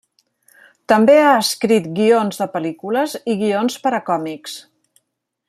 També ha escrit guions de pel·lícules i guions per a còmics.